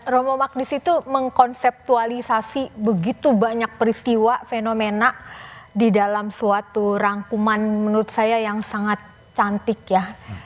romo magdis itu mengkonseptualisasi begitu banyak peristiwa fenomena di dalam suatu rangkuman menurut saya yang sangat cantik ya